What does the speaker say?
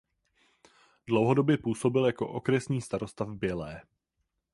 Dlouhodobě působil jako okresní starosta v Bělé.